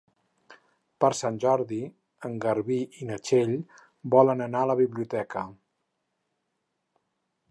Per Sant Jordi en Garbí i na Txell volen anar a la biblioteca.